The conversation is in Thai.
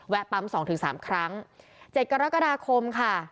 แวะปั๊มสองถึงสามครั้งเจ็ดกรกฎาคมค่ะ